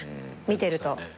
見てると。